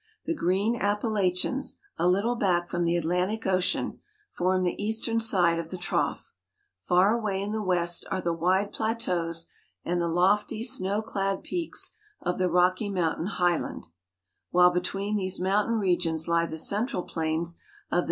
The green Appalachians, a little back from the Atlantic 12 NORTH AMERICA. Ocean, form the eastern side of the trough ; far away in the west are the wide plateaus and the lofty, snow clad peaks of the Rocky Mountain highland ; while between these mountain lie the central plains of the " f" ja^^^fctt^